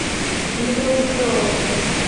কি, দোস্ত?